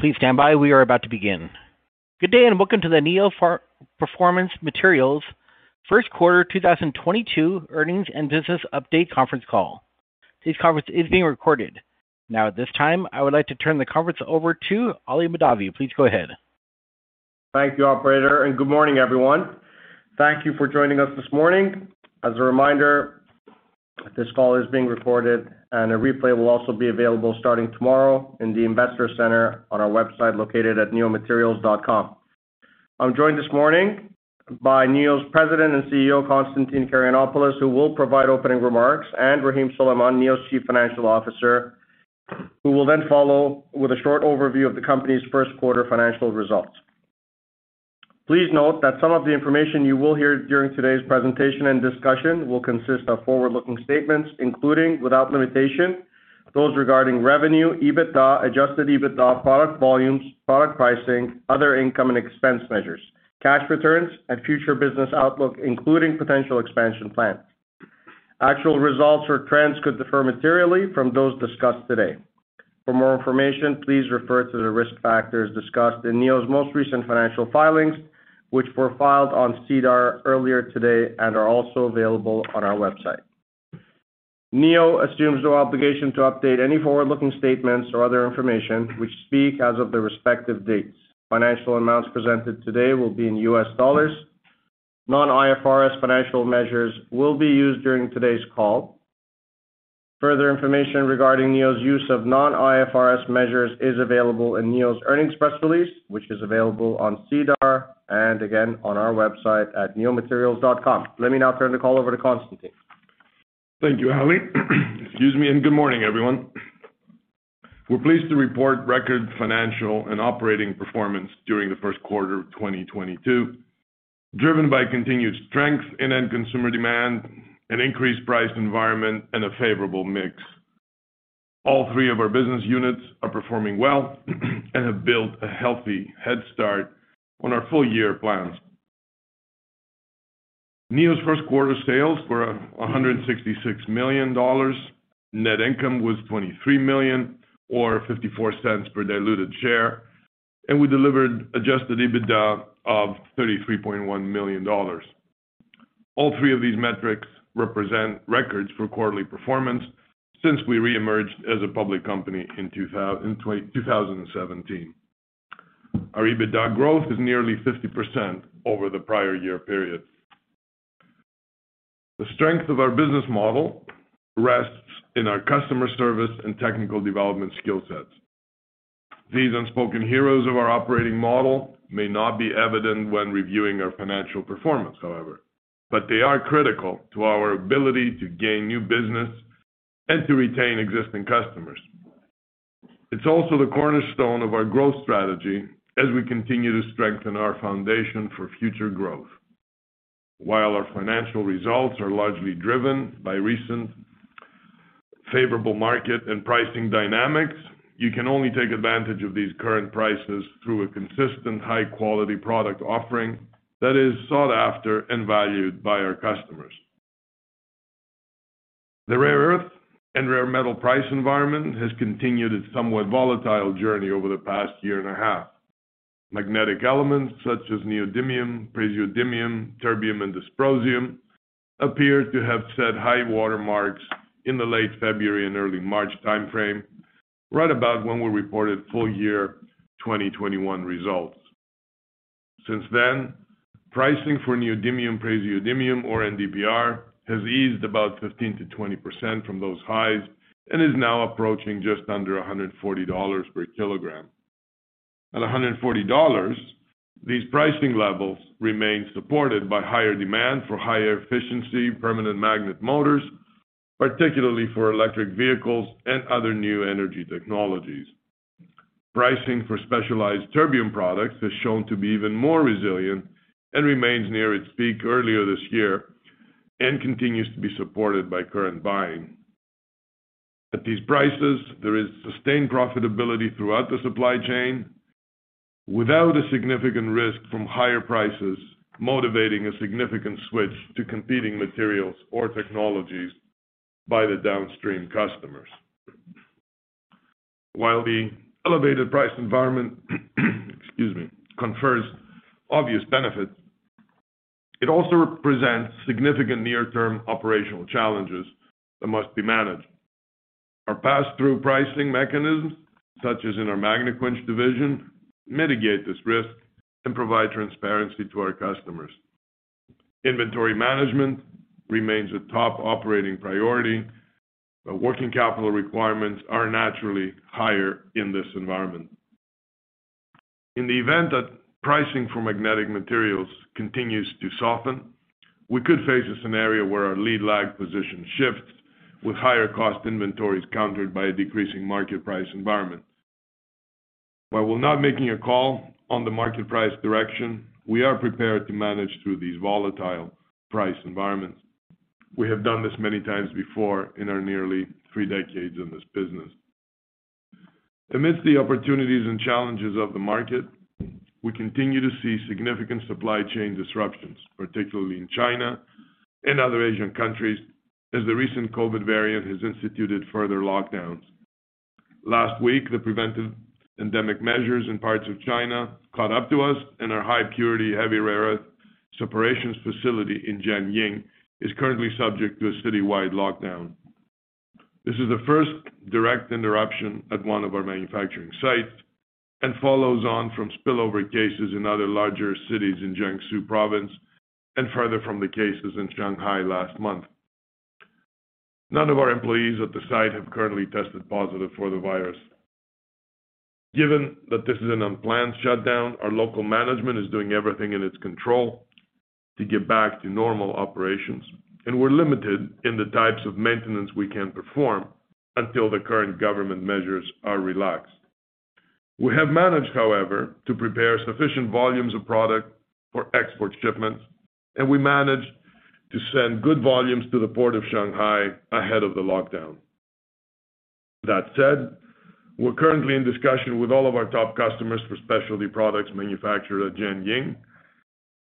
Please stand by. We are about to begin. Good day, and welcome to the Neo Performance Materials First Quarter 2022 Earnings and Business Update Conference Call. Today's conference is being recorded. Now at this time, I would like to turn the conference over to Ali Mahdavi. Please go ahead. Thank you, operator, and good morning, everyone. Thank you for joining us this morning. As a reminder, this call is being recorded and a replay will also be available starting tomorrow in the Investor Center on our website located at neomaterials.com. I'm joined this morning by Neo's President and CEO, Constantine Karayannopoulos, who will provide opening remarks, and Rahim Suleman, Neo's Chief Financial Officer, who will then follow with a short overview of the company's first quarter financial results. Please note that some of the information you will hear during today's presentation and discussion will consist of forward-looking statements, including, without limitation, those regarding revenue, EBITDA, adjusted EBITDA, product volumes, product pricing, other income and expense measures, cash returns, and future business outlook, including potential expansion plans. Actual results or trends could differ materially from those discussed today. For more information, please refer to the risk factors discussed in Neo's most recent financial filings, which were filed on SEDAR earlier today and are also available on our website. Neo assumes no obligation to update any forward-looking statements or other information which speak as of the respective dates. Financial amounts presented today will be in U.S. dollars. Non-IFRS financial measures will be used during today's call. Further information regarding Neo's use of non-IFRS measures is available in Neo's earnings press release, which is available on SEDAR and again on our website at neomaterials.com. Let me now turn the call over to Constantine. Thank you, Ali. Excuse me, and good morning, everyone. We're pleased to report record financial and operating performance during the first quarter of 2022, driven by continued strength in end consumer demand and increased price environment and a favorable mix. All three of our business units are performing well and have built a healthy head start on our full year plans. Neo's first quarter sales were $166 million. Net income was $23 million or $0.54 per diluted share, and we delivered adjusted EBITDA of $33.1 million. All three of these metrics represent records for quarterly performance since we reemerged as a public company in 2017. Our EBITDA growth is nearly 50% over the prior year period. The strength of our business model rests in our customer service and technical development skill sets. These unspoken heroes of our operating model may not be evident when reviewing our financial performance, however, but they are critical to our ability to gain new business and to retain existing customers. It's also the cornerstone of our growth strategy as we continue to strengthen our foundation for future growth. While our financial results are largely driven by recent favorable market and pricing dynamics, you can only take advantage of these current prices through a consistent high-quality product offering that is sought after and valued by our customers. The rare earth and rare metal price environment has continued its somewhat volatile journey over the past year and a half. Magnetic elements such as neodymium, praseodymium, terbium, and dysprosium appear to have set high water marks in the late February and early March timeframe, right about when we reported full year 2021 results. Since then, pricing for neodymium, praseodymium or NdPr has eased about 15%-20% from those highs and is now approaching just under $140 per kilogram. At $140, these pricing levels remain supported by higher demand for higher efficiency permanent magnet motors, particularly for electric vehicles and other new energy technologies. Pricing for specialized terbium products has shown to be even more resilient and remains near its peak earlier this year and continues to be supported by current buying. At these prices, there is sustained profitability throughout the supply chain without a significant risk from higher prices motivating a significant switch to competing materials or technologies by the downstream customers. While the elevated price environment, excuse me, confers obvious benefits, it also represents significant near term operational challenges that must be managed. Our pass-through pricing mechanisms, such as in our Magnequench division, mitigate this risk and provide transparency to our customers. Inventory management remains a top operating priority, but working capital requirements are naturally higher in this environment. In the event that pricing for magnetic materials continues to soften, we could face a scenario where our lead lag position shifts with higher cost inventories countered by a decreasing market price environment. While we're not making a call on the market price direction, we are prepared to manage through these volatile price environments. We have done this many times before in our nearly three decades in this business. Amidst the opportunities and challenges of the market, we continue to see significant supply chain disruptions, particularly in China. In other Asian countries, as the recent COVID variant has instituted further lockdowns. Last week, the preventive epidemic measures in parts of China caught up to us and our high purity heavy rare earth separations facility in Jiangyin is currently subject to a citywide lockdown. This is the first direct interruption at one of our manufacturing sites and follows on from spillover cases in other larger cities in Jiangsu Province and further from the cases in Shanghai last month. None of our employees at the site have currently tested positive for the virus. Given that this is an unplanned shutdown, our local management is doing everything in its control to get back to normal operations, and we're limited in the types of maintenance we can perform until the current government measures are relaxed. We have managed, however, to prepare sufficient volumes of product for export shipments, and we managed to send good volumes to the port of Shanghai ahead of the lockdown. That said, we're currently in discussion with all of our top customers for specialty products manufactured at Jiangyin,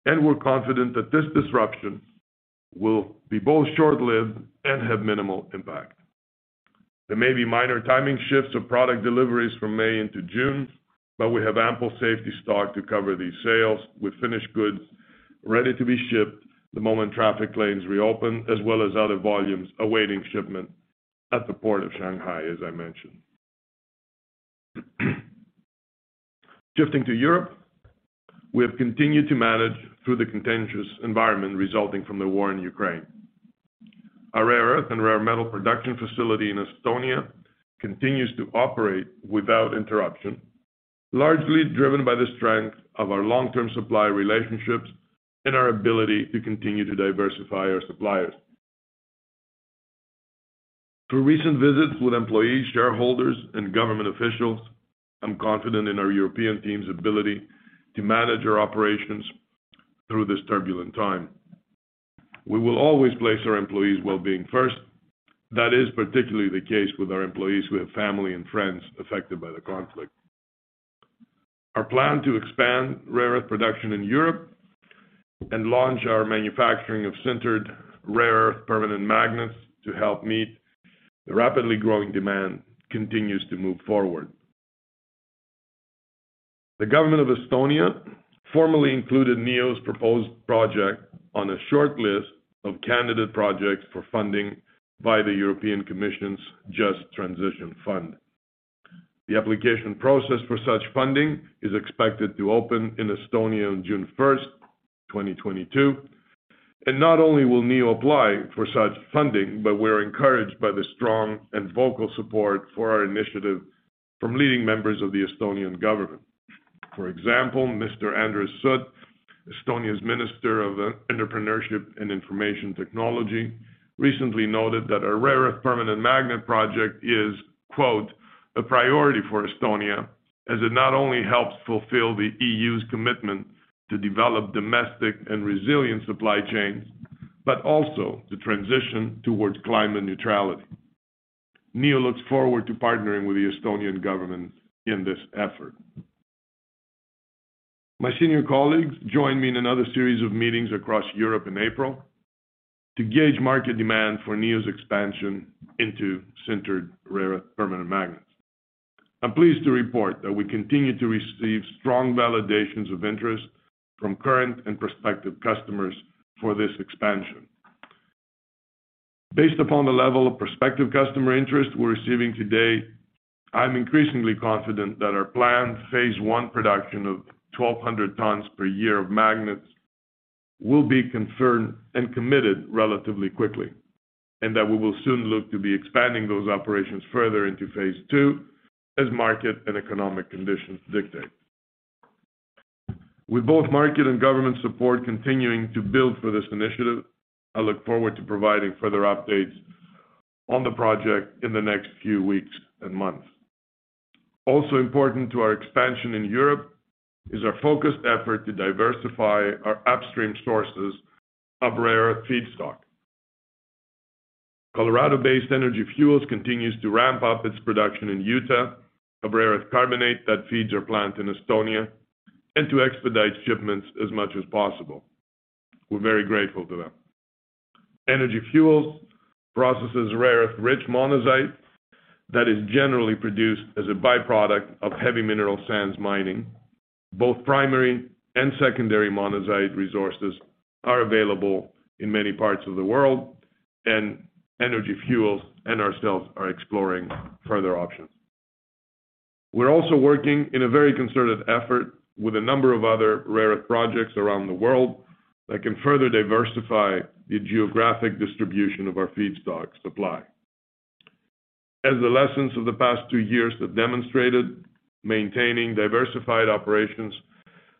and we're confident that this disruption will be both short-lived and have minimal impact. There may be minor timing shifts of product deliveries from May into June, but we have ample safety stock to cover these sales with finished goods ready to be shipped the moment traffic lanes reopen, as well as other volumes awaiting shipment at the port of Shanghai, as I mentioned. Shifting to Europe, we have continued to manage through the contentious environment resulting from the war in Ukraine. Our rare earth and rare metal production facility in Estonia continues to operate without interruption, largely driven by the strength of our long-term supply relationships and our ability to continue to diversify our suppliers. Through recent visits with employees, shareholders, and government officials, I'm confident in our European team's ability to manage our operations through this turbulent time. We will always place our employees' well-being first. That is particularly the case with our employees who have family and friends affected by the conflict. Our plan to expand rare earth production in Europe and launch our manufacturing of sintered rare earth permanent magnets to help meet the rapidly growing demand continues to move forward. The government of Estonia formally included Neo's proposed project on a short list of candidate projects for funding by the European Commission's Just Transition Fund. The application process for such funding is expected to open in Estonia on June 1, 2022. Not only will Neo apply for such funding, but we're encouraged by the strong and vocal support for our initiative from leading members of the Estonian government. For example, Mr. Andres Sutt, Estonia's Minister of Entrepreneurship and Information Technology, recently noted that our rare earth permanent magnet project is, quote, "A priority for Estonia, as it not only helps fulfill the EU's commitment to develop domestic and resilient supply chains, but also to transition towards climate neutrality." Neo looks forward to partnering with the Estonian government in this effort. My senior colleagues joined me in another series of meetings across Europe in April to gauge market demand for Neo's expansion into sintered rare earth permanent magnets. I'm pleased to report that we continue to receive strong validations of interest from current and prospective customers for this expansion. Based upon the level of prospective customer interest we're receiving today, I'm increasingly confident that our planned phase one production of 1,200 tons per year of magnets will be confirmed and committed relatively quickly, and that we will soon look to be expanding those operations further into phase two as market and economic conditions dictate. With both market and government support continuing to build for this initiative, I look forward to providing further updates on the project in the next few weeks and months. Also important to our expansion in Europe is our focused effort to diversify our upstream sources of rare earth feedstock. Colorado-based Energy Fuels continues to ramp up its production in Utah of rare earth carbonate that feeds our plant in Estonia, and to expedite shipments as much as possible. We're very grateful to them. Energy Fuels processes rare-earth rich monazite that is generally produced as a byproduct of heavy mineral sands mining. Both primary and secondary monazite resources are available in many parts of the world, and Energy Fuels and ourselves are exploring further options. We're also working in a very concerted effort with a number of other rare earth projects around the world that can further diversify the geographic distribution of our feedstock supply. As the lessons of the past two years have demonstrated, maintaining diversified operations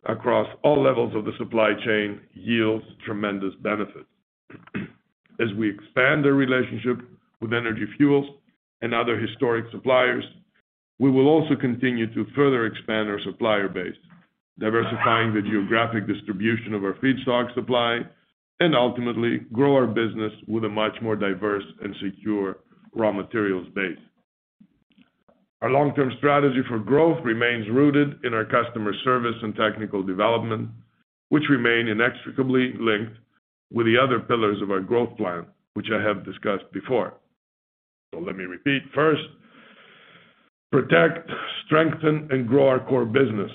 across all levels of the supply chain yields tremendous benefits. As we expand our relationship with Energy Fuels and other historic suppliers, we will also continue to further expand our supplier base, diversifying the geographic distribution of our feedstock supply and ultimately grow our business with a much more diverse and secure raw materials base. Our long-term strategy for growth remains rooted in our customer service and technical development, which remain inextricably linked with the other pillars of our growth plan, which I have discussed before. Let me repeat. First, protect, strengthen, and grow our core business.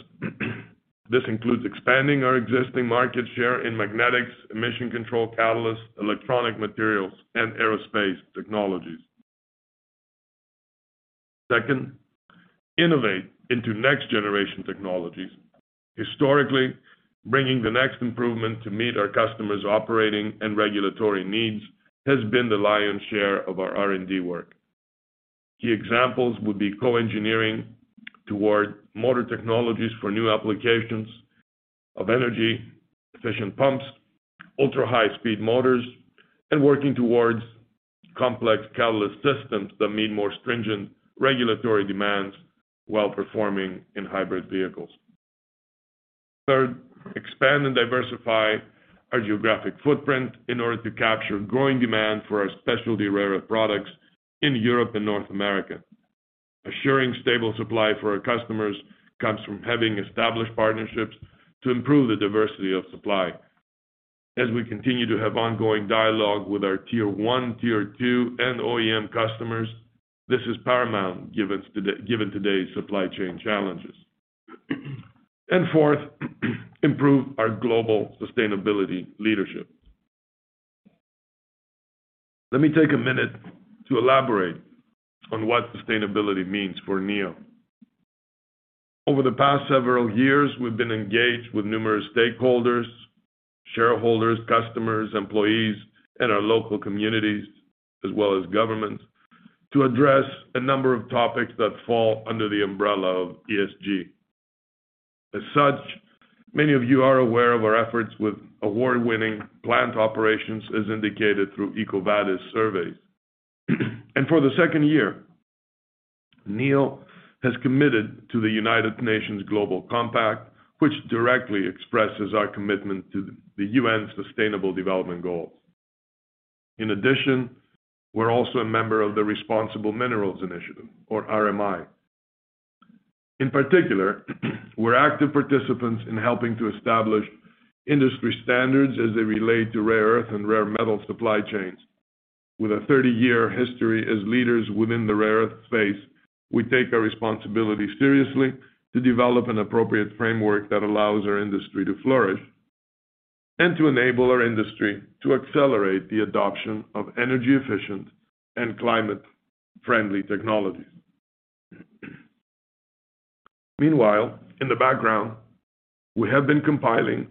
This includes expanding our existing market share in magnetics, emission control catalysts, electronic materials, and aerospace technologies. Second, innovate into next-generation technologies. Historically, bringing the next improvement to meet our customers' operating and regulatory needs has been the lion's share of our R&D work. Key examples would be co-engineering toward motor technologies for new applications of energy efficient pumps, ultra-high-speed motors, and working towards complex catalyst systems that meet more stringent regulatory demands while performing in hybrid vehicles. Third, expand and diversify our geographic footprint in order to capture growing demand for our specialty rare earth products in Europe and North America. Assuring stable supply for our customers comes from having established partnerships to improve the diversity of supply. As we continue to have ongoing dialogue with our tier one, tier two, and OEM customers, this is paramount given today's supply chain challenges. Fourth, improve our global sustainability leadership. Let me take a minute to elaborate on what sustainability means for Neo. Over the past several years, we've been engaged with numerous stakeholders, shareholders, customers, employees, and our local communities, as well as governments, to address a number of topics that fall under the umbrella of ESG. As such, many of you are aware of our efforts with award-winning plant operations as indicated through EcoVadis surveys. For the second year, Neo has committed to the United Nations Global Compact, which directly expresses our commitment to the UN's Sustainable Development Goals. In addition, we're also a member of the Responsible Minerals Initiative, or RMI. In particular, we're active participants in helping to establish industry standards as they relate to rare earth and rare metal supply chains. With a 30-year history as leaders within the rare earth space, we take our responsibility seriously to develop an appropriate framework that allows our industry to flourish and to enable our industry to accelerate the adoption of energy-efficient and climate-friendly technologies. Meanwhile, in the background, we have been compiling,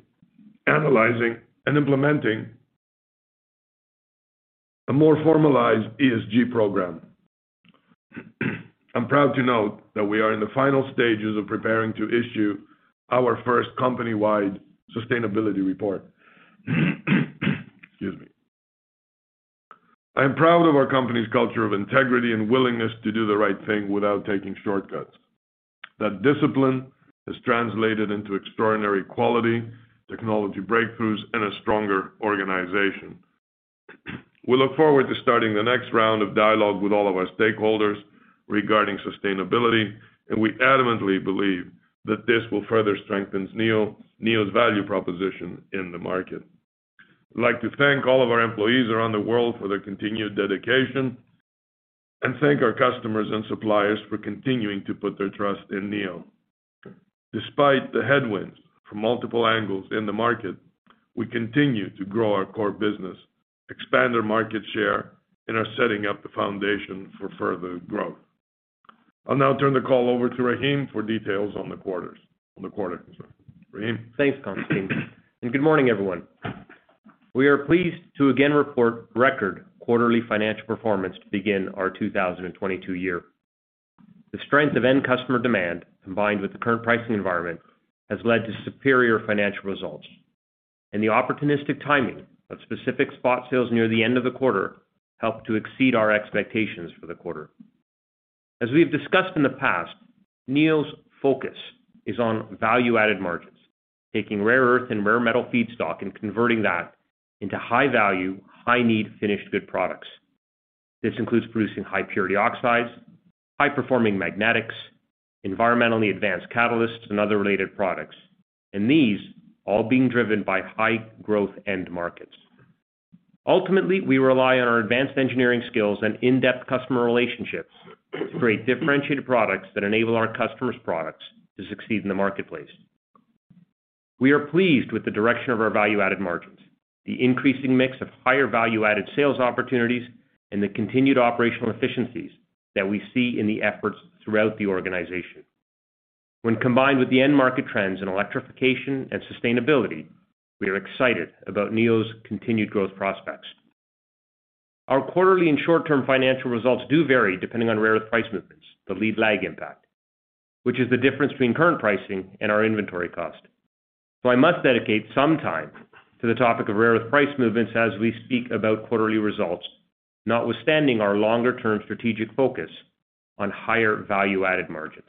analyzing, and implementing a more formalized ESG program. I'm proud to note that we are in the final stages of preparing to issue our first company-wide sustainability report. Excuse me. I am proud of our company's culture of integrity and willingness to do the right thing without taking shortcuts. That discipline has translated into extraordinary quality, technology breakthroughs, and a stronger organization. We look forward to starting the next round of dialogue with all of our stakeholders regarding sustainability, and we adamantly believe that this will further strengthen Neo's value proposition in the market. I'd like to thank all of our employees around the world for their continued dedication and thank our customers and suppliers for continuing to put their trust in Neo. Despite the headwinds from multiple angles in the market, we continue to grow our core business, expand our market share, and are setting up the foundation for further growth. I'll now turn the call over to Rahim for details on the quarter. Sorry. Rahim. Thanks, Constantine, and good morning, everyone. We are pleased to again report record quarterly financial performance to begin our 2022 year. The strength of end customer demand, combined with the current pricing environment, has led to superior financial results. The opportunistic timing of specific spot sales near the end of the quarter helped to exceed our expectations for the quarter. As we've discussed in the past, Neo's focus is on value-added margins, taking rare earth and rare metal feedstock and converting that into high-value, high-need finished good products. This includes producing high-purity oxides, high-performing magnetics, environmentally advanced catalysts, and other related products. These all being driven by high-growth end markets. Ultimately, we rely on our advanced engineering skills and in-depth customer relationships to create differentiated products that enable our customers' products to succeed in the marketplace. We are pleased with the direction of our value-added margins, the increasing mix of higher value-added sales opportunities, and the continued operational efficiencies that we see in the efforts throughout the organization. When combined with the end market trends in electrification and sustainability, we are excited about Neo's continued growth prospects. Our quarterly and short-term financial results do vary depending on rare earth price movements, the lead lag impact, which is the difference between current pricing and our inventory cost. I must dedicate some time to the topic of rare earth price movements as we speak about quarterly results, notwithstanding our longer-term strategic focus on higher value-added margins.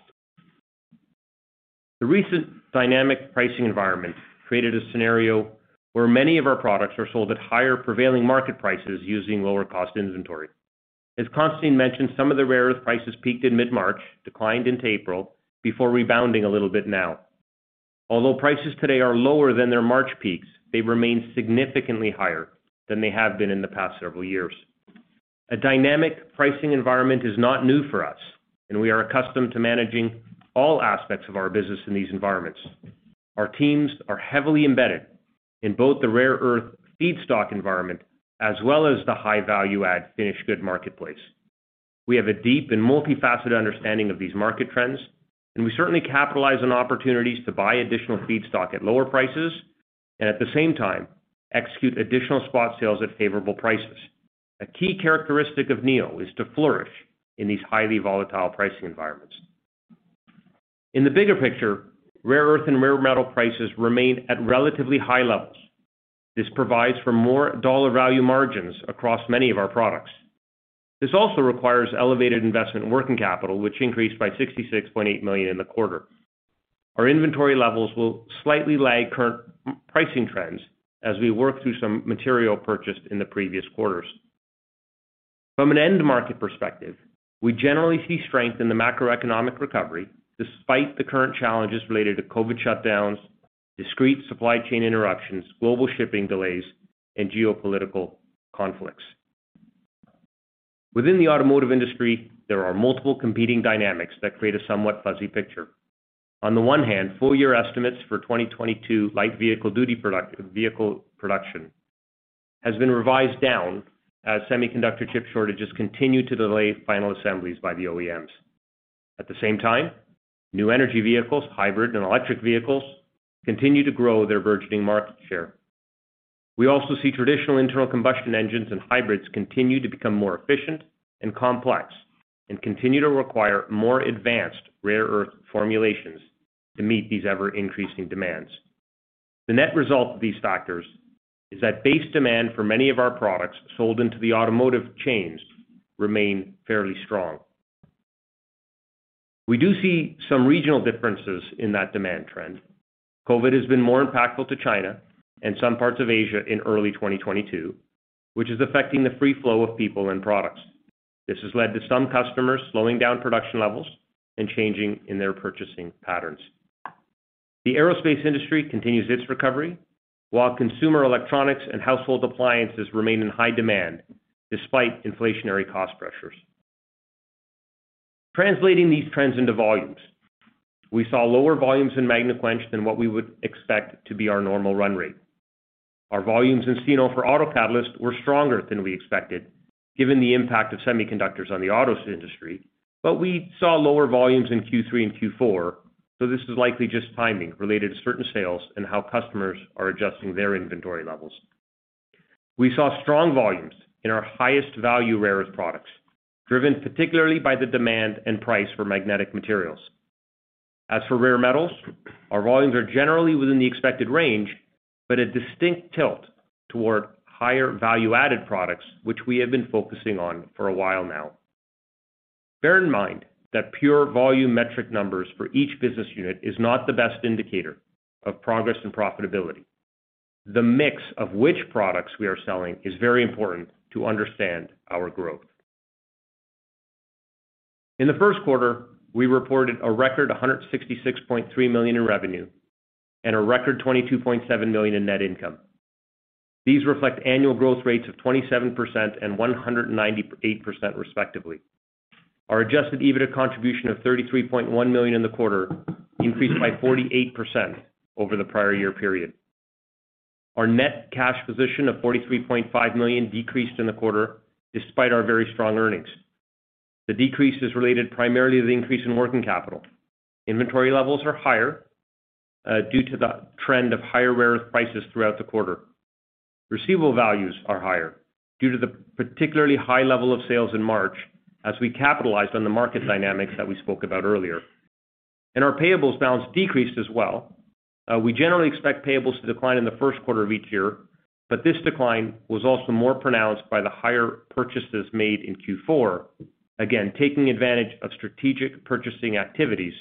The recent dynamic pricing environment created a scenario where many of our products are sold at higher prevailing market prices using lower cost inventory. As Constantine mentioned, some of the rare earth prices peaked in mid-March, declined into April, before rebounding a little bit now. Although prices today are lower than their March peaks, they remain significantly higher than they have been in the past several years. A dynamic pricing environment is not new for us, and we are accustomed to managing all aspects of our business in these environments. Our teams are heavily embedded in both the rare earth feedstock environment as well as the high value-add finished goods marketplace. We have a deep and multifaceted understanding of these market trends, and we certainly capitalize on opportunities to buy additional feedstock at lower prices and at the same time execute additional spot sales at favorable prices. A key characteristic of Neo is to flourish in these highly volatile pricing environments. In the bigger picture, rare earth and rare metal prices remain at relatively high levels. This provides for more dollar value margins across many of our products. This also requires elevated investment working capital, which increased by $66.8 million in the quarter. Our inventory levels will slightly lag current pricing trends as we work through some material purchased in the previous quarters. From an end market perspective, we generally see strength in the macroeconomic recovery despite the current challenges related to COVID shutdowns, discrete supply chain interruptions, global shipping delays, and geopolitical conflicts. Within the automotive industry, there are multiple competing dynamics that create a somewhat fuzzy picture. On the one hand, full-year estimates for 2022 light vehicle production has been revised down as semiconductor chip shortages continue to delay final assemblies by the OEMs. At the same time, new energy vehicles, hybrid and electric vehicles continue to grow their burgeoning market share. We also see traditional internal combustion engines and hybrids continue to become more efficient and complex, and continue to require more advanced rare earth formulations to meet these ever-increasing demands. The net result of these factors is that base demand for many of our products sold into the automotive chains remain fairly strong. We do see some regional differences in that demand trend. COVID has been more impactful to China and some parts of Asia in early 2022, which is affecting the free flow of people and products. This has led to some customers slowing down production levels and changes in their purchasing patterns. The aerospace industry continues its recovery, while consumer electronics and household appliances remain in high demand despite inflationary cost pressures. Translating these trends into volumes, we saw lower volumes in Magnequench than what we would expect to be our normal run rate. Our volumes in Chemicals & Oxides for auto catalyst were stronger than we expected, given the impact of semiconductors on the auto industry, but we saw lower volumes in Q3 and Q4, so this is likely just timing related to certain sales and how customers are adjusting their inventory levels. We saw strong volumes in our highest value rare earth products, driven particularly by the demand and price for magnetic materials. As for rare metals, our volumes are generally within the expected range, but a distinct tilt toward higher value-added products, which we have been focusing on for a while now. Bear in mind that pure volume metric numbers for each business unit is not the best indicator of progress and profitability. The mix of which products we are selling is very important to understand our growth. In the first quarter, we reported a record $166.3 million in revenue and a record $22.7 million in net income. These reflect annual growth rates of 27% and 198%, respectively. Our adjusted EBITDA contribution of $33.1 million in the quarter increased by 48% over the prior year period. Our net cash position of $43.5 million decreased in the quarter despite our very strong earnings. The decrease is related primarily to the increase in working capital. Inventory levels are higher due to the trend of higher rare earth prices throughout the quarter. Receivable values are higher due to the particularly high level of sales in March as we capitalized on the market dynamics that we spoke about earlier. Our payables balance decreased as well. We generally expect payables to decline in the first quarter of each year, but this decline was also more pronounced by the higher purchases made in Q4. Again, taking advantage of strategic purchasing activities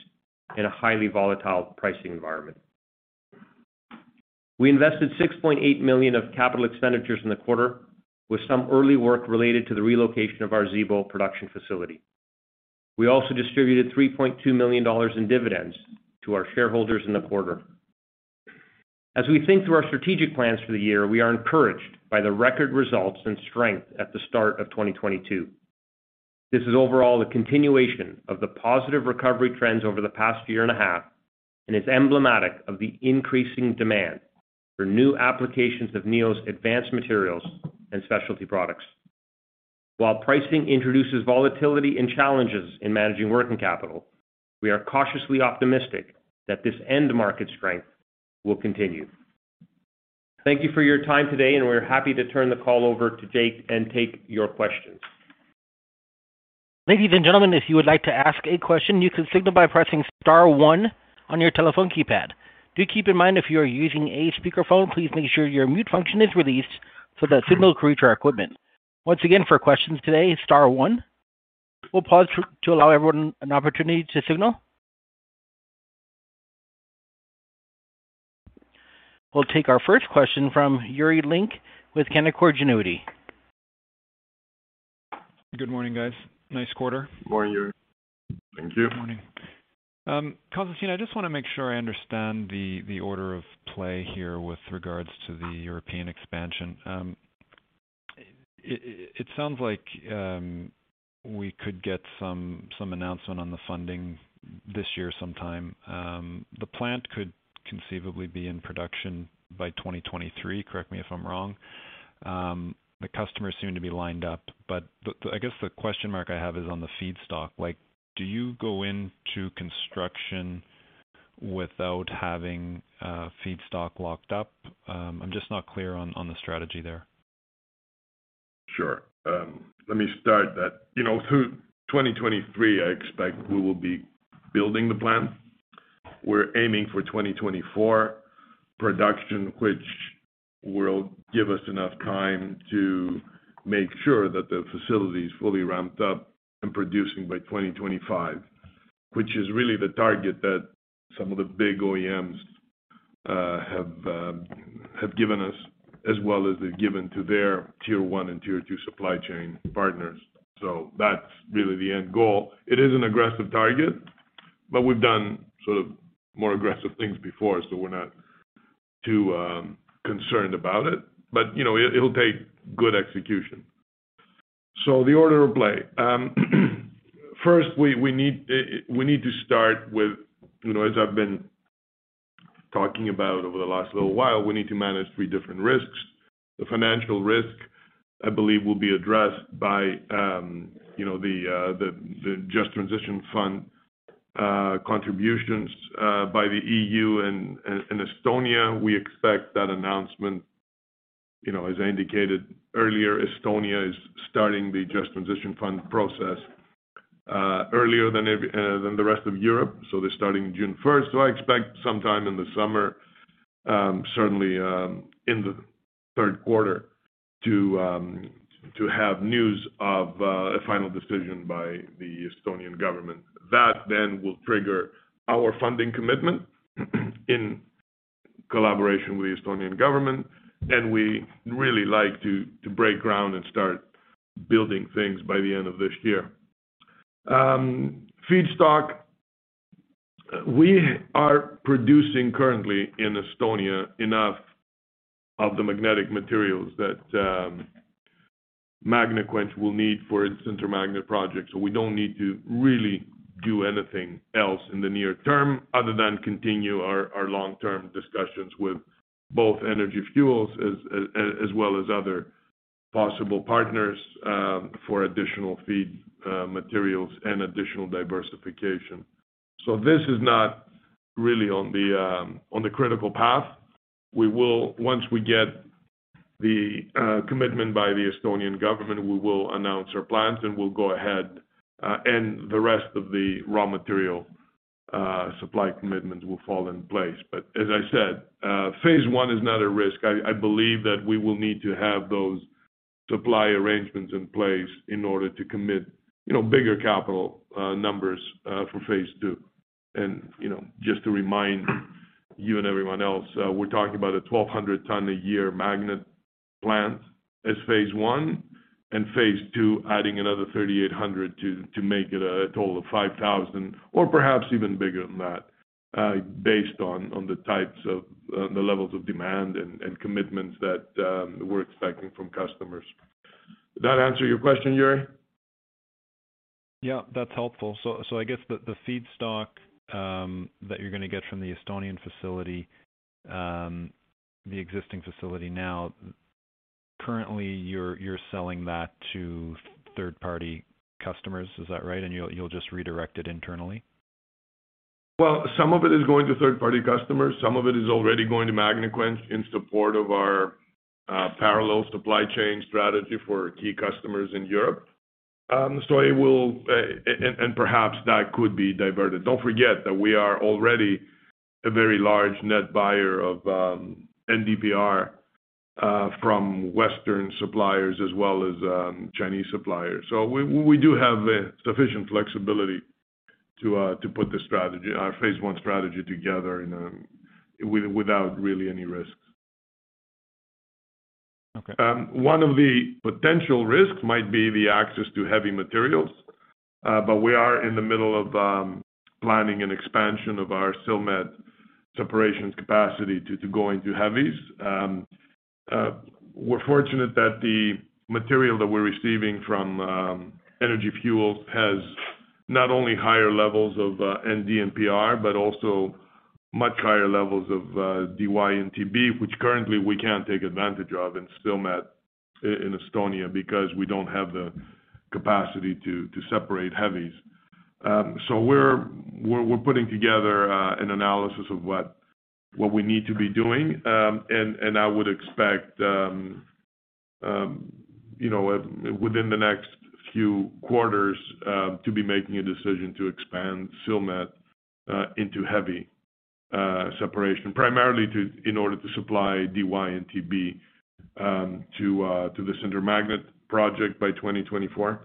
in a highly volatile pricing environment. We invested $6.8 million of capital expenditures in the quarter, with some early work related to the relocation of our Zibo production facility. We also distributed $3.2 million in dividends to our shareholders in the quarter. As we think through our strategic plans for the year, we are encouraged by the record results and strength at the start of 2022. This is overall a continuation of the positive recovery trends over the past year and a half, and is emblematic of the increasing demand for new applications of Neo's advanced materials and specialty products. While pricing introduces volatility and challenges in managing working capital, we are cautiously optimistic that this end market strength will continue. Thank you for your time today, and we're happy to turn the call over to Jake and take your questions. Ladies and gentlemen, if you would like to ask a question, you can signal by pressing star one on your telephone keypad. Do keep in mind, if you are using a speakerphone, please make sure your mute function is released so that signal can reach our equipment. Once again, for questions today, star one. We'll pause to allow everyone an opportunity to signal. We'll take our first question from Yuri Lynk with Canaccord Genuity. Good morning, guys. Nice quarter. Good morning, Yuri. Thank you. Good morning. Constantinos, I just wanna make sure I understand the order of play here with regards to the European expansion. It sounds like we could get some announcement on the funding this year sometime. The plant could conceivably be in production by 2023, correct me if I'm wrong. The customers seem to be lined up. I guess the question mark I have is on the feedstock. Like, do you go into construction without having feedstock locked up? I'm just not clear on the strategy there. Sure. Let me start that. You know, through 2023, I expect we will be building the plant. We're aiming for 2024 production, which will give us enough time to make sure that the facility is fully ramped up and producing by 2025, which is really the target that some of the big OEMs have given us, as well as they've given to their tier one and tier two supply chain partners. That's really the end goal. It is an aggressive target, but we've done sort of more aggressive things before, so we're not too concerned about it. You know, it'll take good execution. The order of play. First we need to start with, you know, as I've been talking about over the last little while, we need to manage three different risks. The financial risk, I believe, will be addressed by, you know, the Just Transition Fund contributions by the EU and Estonia. We expect that announcement. You know, as I indicated earlier, Estonia is starting the Just Transition Fund process earlier than the rest of Europe, so they're starting June first. I expect sometime in the summer, certainly, in the third quarter to have news of a final decision by the Estonian government. That then will trigger our funding commitment in collaboration with the Estonian government. We really like to break ground and start building things by the end of this year. Feedstock, we are producing currently in Estonia enough of the magnetic materials that Magnequench will need for its Intermagnet project. We don't need to really do anything else in the near term other than continue our long-term discussions with both Energy Fuels as well as other possible partners for additional feed materials and additional diversification. This is not really on the critical path. Once we get the commitment by the Estonian government, we will announce our plans, and we'll go ahead and the rest of the raw material supply commitments will fall in place. As I said, phase one is not at risk. I believe that we will need to have those supply arrangements in place in order to commit, you know, bigger capital numbers for phase two. You know, just to remind you and everyone else, we're talking about a 1,200-ton-a-year magnet plant as phase one, and phase two adding another 3,800 to make it a total of 5,000, or perhaps even bigger than that, based on the types of the levels of demand and commitments that we're expecting from customers. Did that answer your question, Yuri? Yeah, that's helpful. I guess the feedstock that you're gonna get from the Estonian facility, the existing facility now, currently you're selling that to third-party customers. Is that right? You'll just redirect it internally? Well, some of it is going to third-party customers. Some of it is already going to Magnequench in support of our parallel supply chain strategy for key customers in Europe. Perhaps that could be diverted. Don't forget that we are already a very large net buyer of NdPr from Western suppliers as well as Chinese suppliers. We do have sufficient flexibility to put this strategy, our phase one strategy together without really any risks. Okay. One of the potential risks might be the access to heavy materials, but we are in the middle of planning an expansion of our Silmet separations capacity to going to heavies. We're fortunate that the material that we're receiving from Energy Fuels has not only higher levels of Nd and Pr, but also much higher levels of Dy and Tb, which currently we can't take advantage of in Silmet in Estonia because we don't have the capacity to separate heavies. We're putting together an analysis of what we need to be doing. I would expect, you know, within the next few quarters, to be making a decision to expand Silmet into heavy separation primarily in order to supply Dy and Tb to the sintered magnet project by 2024.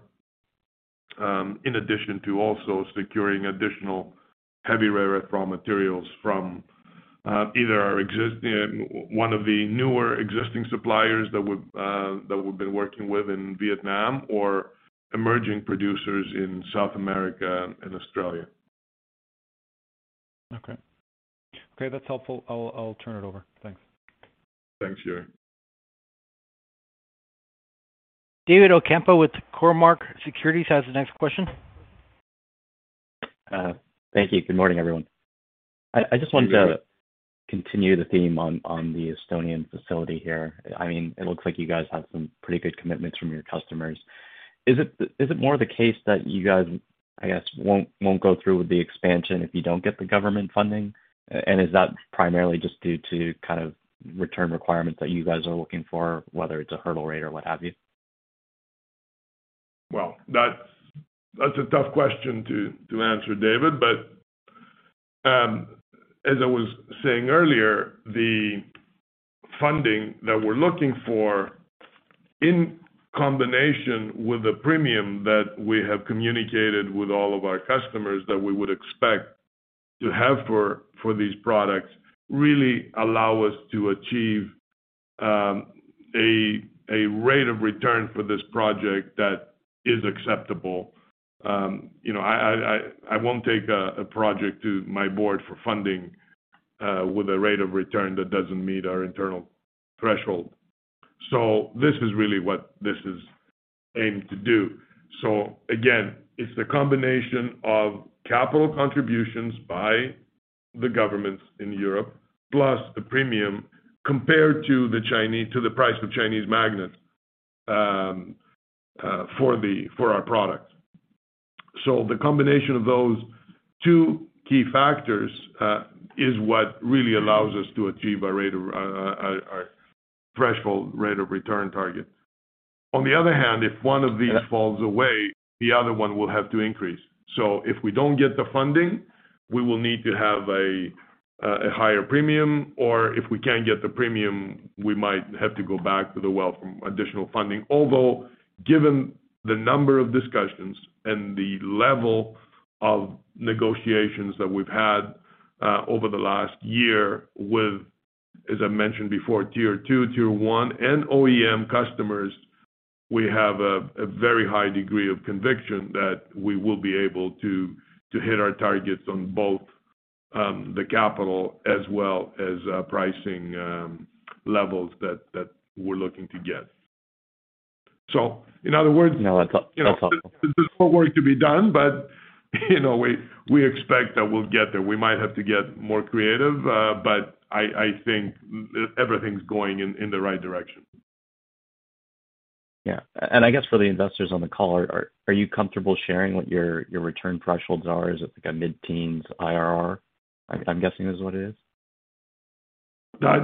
In addition to also securing additional heavy rare earth raw materials from either our existing or one of the newer existing suppliers that we've been working with in Vietnam or emerging producers in South America and Australia. Okay. Okay, that's helpful. I'll turn it over. Thanks. Thanks, Yuri. David Ocampo with Cormark Securities has the next question. Thank you. Good morning, everyone. I just wanted to. Good morning. Continue the theme on the Estonian facility here. I mean, it looks like you guys have some pretty good commitments from your customers. Is it more of the case that you guys, I guess, won't go through with the expansion if you don't get the government funding? Is that primarily just due to kind of return requirements that you guys are looking for, whether it's a hurdle rate or what have you? Well, that's a tough question to answer, David. As I was saying earlier, the funding that we're looking for in combination with the premium that we have communicated with all of our customers that we would expect to have for these products really allow us to achieve a rate of return for this project that is acceptable. You know, I won't take a project to my board for funding with a rate of return that doesn't meet our internal threshold. This is really what this is aimed to do. Again, it's the combination of capital contributions by the governments in Europe, plus the premium compared to the Chinese, to the price of Chinese magnets for our products. The combination of those two key factors is what really allows us to achieve a rate of our threshold rate of return target. On the other hand, if one of these falls away, the other one will have to increase. If we don't get the funding, we will need to have a higher premium, or if we can't get the premium, we might have to go back to the well from additional funding. Although, given the number of discussions and the level of negotiations that we've had over the last year with, as I mentioned before, tier two, tier one, and OEM customers, we have a very high degree of conviction that we will be able to hit our targets on both the capital as well as pricing levels that we're looking to get. In other words. No, that's helpful. You know, there's more work to be done, but you know, we expect that we'll get there. We might have to get more creative, but I think everything's going in the right direction. Yeah. I guess for the investors on the call, are you comfortable sharing what your return thresholds are? Is it like a mid-teens IRR? I'm guessing this is what it is.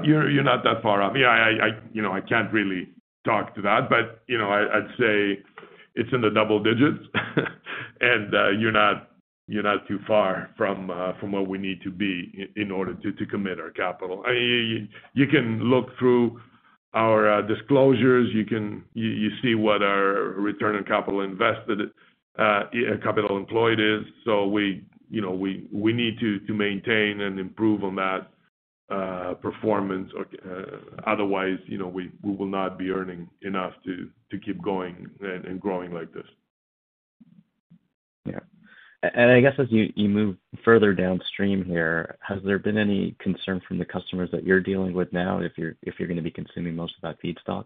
You're not that far off. Yeah, you know, I can't really talk to that, but, you know, I'd say it's in the double digits. You're not too far from where we need to be in order to commit our capital. You can look through our disclosures. You see what our return on capital invested, capital employed is. We, you know, need to maintain and improve on that performance. Otherwise, you know, we will not be earning enough to keep going and growing like this. Yeah. I guess as you move further downstream here, has there been any concern from the customers that you're dealing with now, if you're gonna be consuming most of that feedstock?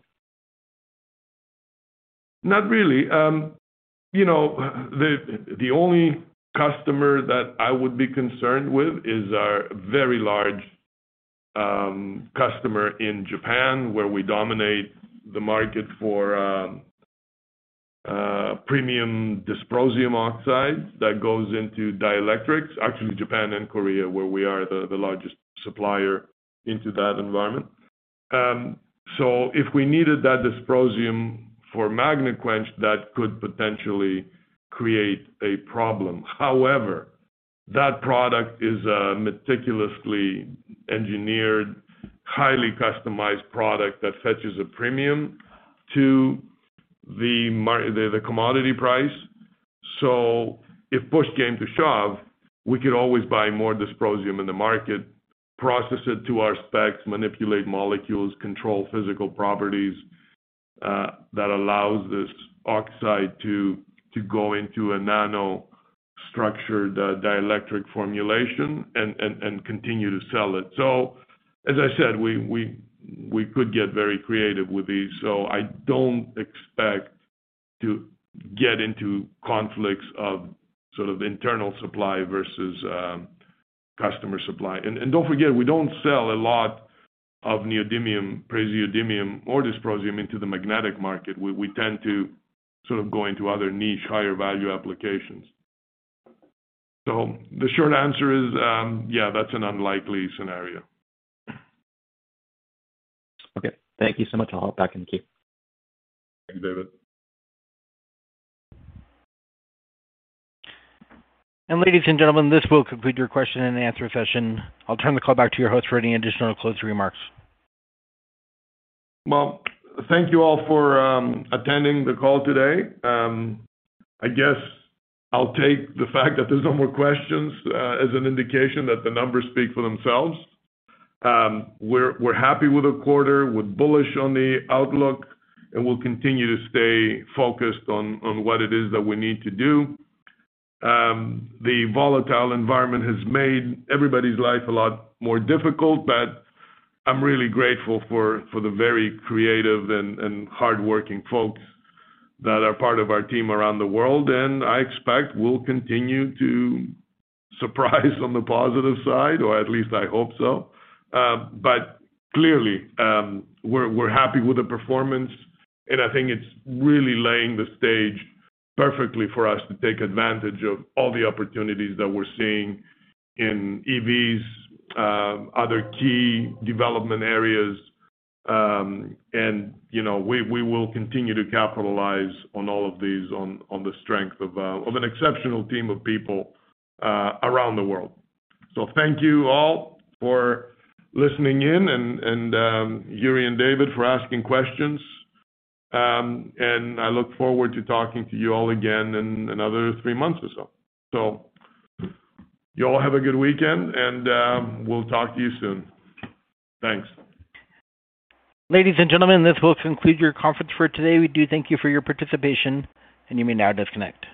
Not really. You know, the only customer that I would be concerned with is our very large customer in Japan, where we dominate the market for premium dysprosium oxide that goes into dielectrics. Actually, Japan and Korea, where we are the largest supplier into that environment. So if we needed that dysprosium for Magnequench, that could potentially create a problem. However, that product is a meticulously engineered, highly customized product that fetches a premium to the commodity price. So if push came to shove, we could always buy more dysprosium in the market, process it to our specs, manipulate molecules, control physical properties that allows this oxide to go into a nanostructured dielectric formulation and continue to sell it. So, as I said, we could get very creative with these. I don't expect to get into conflicts of sort of internal supply versus customer supply. And don't forget, we don't sell a lot of neodymium, praseodymium or dysprosium into the magnetic market. We tend to sort of go into other niche, higher value applications. The short answer is, yeah, that's an unlikely scenario. Okay. Thank you so much. I'll hop back in the queue. Thank you, David. Ladies and gentlemen, this will conclude your question and answer session. I'll turn the call back to your host for any additional closing remarks. Well, thank you all for attending the call today. I guess I'll take the fact that there's no more questions as an indication that the numbers speak for themselves. We're happy with the quarter, we're bullish on the outlook, and we'll continue to stay focused on what it is that we need to do. The volatile environment has made everybody's life a lot more difficult, but I'm really grateful for the very creative and hardworking folks that are part of our team around the world. I expect we'll continue to surprise on the positive side, or at least I hope so. Clearly, we're happy with the performance, and I think it's really laying the stage perfectly for us to take advantage of all the opportunities that we're seeing in EVs, other key development areas. You know, we will continue to capitalize on all of these on the strength of an exceptional team of people around the world. Thank you all for listening in, and Yuri and David for asking questions. I look forward to talking to you all again in another three months or so. You all have a good weekend, and we'll talk to you soon. Thanks. Ladies and gentlemen, this will conclude your conference for today. We do thank you for your participation, and you may now disconnect.